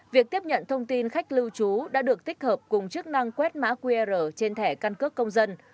việc tiếp nhận thông tin khách lưu trú đã được tích hợp cùng chức năng quét mã qr trên thẻ căn cước công dân